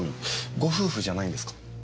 ご夫婦じゃないんですか？